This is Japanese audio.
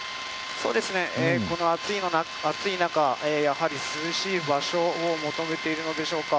この暑い中、涼しい場所を求めているのでしょうか。